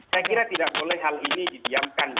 saya kira tidak boleh hal ini didiamkan